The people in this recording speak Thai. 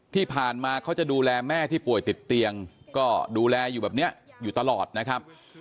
ที่ผ่านมาเขาจะดูแลแม่ที่ป่วยติดเตียงก็ดูแลอยู่แบบนี้อยู่ตลอดนะครับ